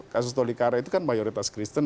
kasus tolikara itu kan mayoritas kristen